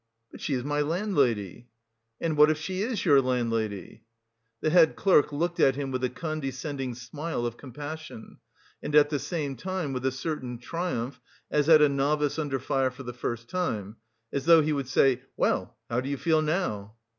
"But she is my landlady!" "And what if she is your landlady?" The head clerk looked at him with a condescending smile of compassion, and at the same time with a certain triumph, as at a novice under fire for the first time as though he would say: "Well, how do you feel now?"